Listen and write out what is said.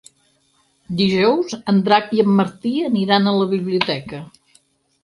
Dijous en Drac i en Martí aniran a la biblioteca.